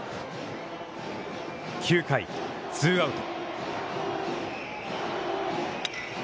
９回、ツーアウト。